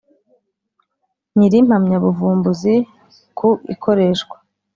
Nyir impamyabuvumbuzi ku ikoreshwa